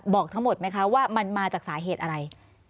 บอกทั้งหมดไหมคะว่ามันมาจากสาเหตุอะไร